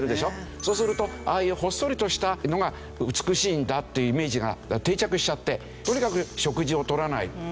そうするとああいうほっそりとしたのが美しいんだっていうイメージが定着しちゃってとにかく食事を取らない。